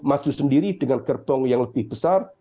maju sendiri dengan gerbong yang lebih besar